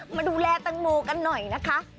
มาดูแลตังโมกันหน่อยนะคะ